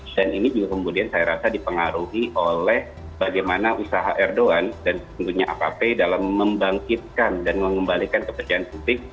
dan ini juga kemudian saya rasa dipengaruhi oleh bagaimana usaha erdogan dan tentunya akp dalam membangkitkan dan mengembalikan kepercayaan publik